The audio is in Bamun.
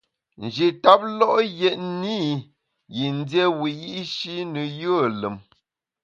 Nji tap lo’ yètne i yin dié wiyi’shi ne yùe lùm.